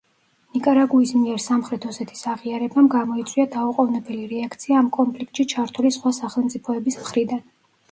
ნიკარაგუის მიერ სამხრეთ ოსეთის აღიარებამ გამოიწვია დაუყოვნებელი რეაქცია ამ კონფლიქტში ჩართული სხვა სახელმწიფოების მხრიდან.